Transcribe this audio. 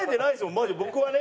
マジ僕はね。